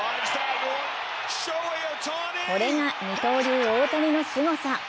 これが二刀流・大谷のすごさ。